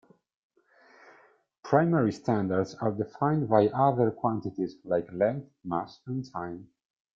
Primary standards are defined via other quantities like length, mass and time.